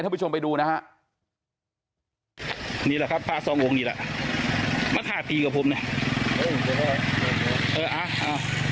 ทำอย่างไรถ้าผู้ชมไปดูนะฮะ